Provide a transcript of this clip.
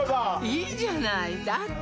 いいじゃないだって